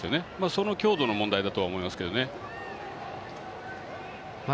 その強度の問題だと思います。